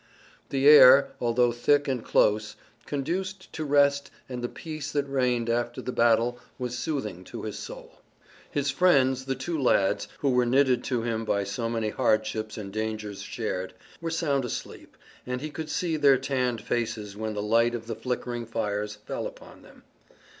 The air, although thick and close, conduced to rest and the peace that reigned after the battle was soothing to his soul. His friends, the two lads, who were knitted to him by so many hardships and dangers shared, were sound asleep, and he could see their tanned faces when the light of the flickering fires fell upon them.